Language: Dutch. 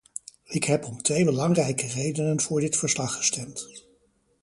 Ik heb om twee belangrijke redenen voor dit verslag gestemd.